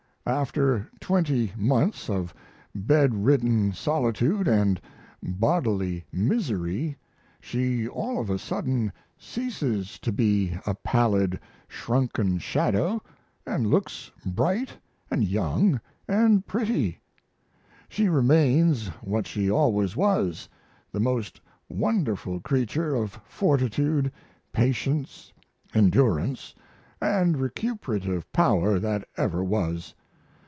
After 20 months of bedridden solitude & bodily misery she all of a sudden ceases to be a pallid, shrunken shadow, & looks bright & young & pretty. She remains what she always was, the most wonderful creature of fortitude, patience, endurance, and recuperative power that ever was.